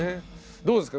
どうですか？